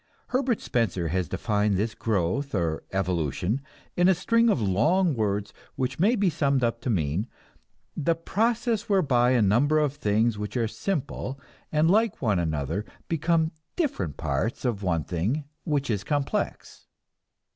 Herbert Spencer has defined this growth, or evolution, in a string of long words which may be summed up to mean: the process whereby a number of things which are simple and like one another become different parts of one thing which is complex.